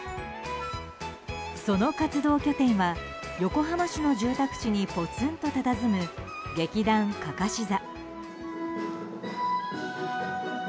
その活動拠点は横浜市の住宅地にポツンとたたずむ劇団かかし座。